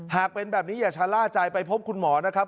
หากเป็นแบบนี้อย่าชะล่าใจไปพบคุณหมอนะครับ